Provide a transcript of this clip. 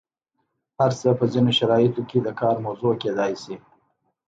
هر څه په ځینو شرایطو کې د کار موضوع کیدای شي.